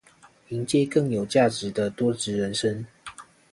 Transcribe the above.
迎接更有價值的多職人生